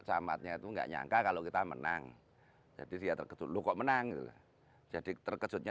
samadnya tuh nggak nyangka kalau kita menang jadi dia terkutuk menang jadi terkejutnya